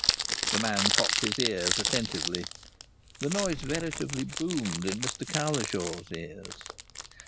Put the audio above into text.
The man cocked his ears attentively. The noise veritably boomed in Mr Cowlishaw's ears.